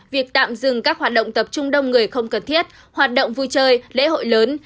việc tạm dừng các hoạt động tập trung đông người không cần thiết hoạt động vui chơi lễ hội lớn